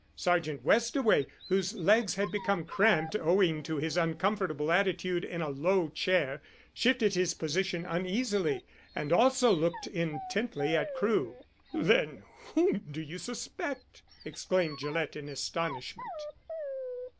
Sergeant Westaway, whose legs had become cramped owing to his uncomfortable attitude in a low chair, shifted his position uneasily, and also looked intently at Crewe. "Then whom do you suspect?" exclaimed Gillett in astonishment.